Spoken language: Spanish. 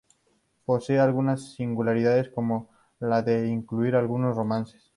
Posee algunas singularidades, como la de incluir algunos romances.